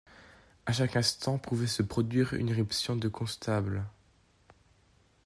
À chaque instant pouvait se produire une irruption de constables.